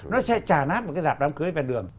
nó sẽ trà nát một cái đạp đám cưới bên đường